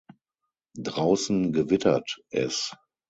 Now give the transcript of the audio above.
Draußen gewittert es.